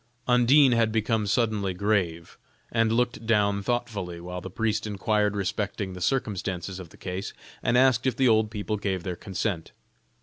Undine had become suddenly grave, and looked down thoughtfully while the priest inquired respecting the circumstances of the case, and asked if the old people gave their consent.